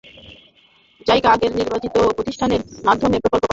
JICA আগের নির্বাচিত প্রতিষ্ঠানের মাধ্যমে প্রকল্প বাস্তবায়ন করতে বারবার তাগাদা দেয়।